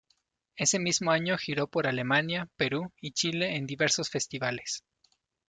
Ese mismo año giró por Alemania, Perú y Chile en diversos festivales.